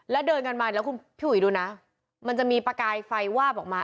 แล้วเดินกันมาแล้วคุณพี่อุ๋ยดูนะมันจะมีประกายไฟวาบออกมา